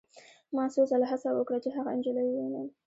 ما څو ځله هڅه وکړه چې هغه نجلۍ ووینم